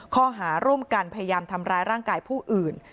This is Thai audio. ข้อหาร่วมกันพยายามทำร้ายร่างกายผู้อื่น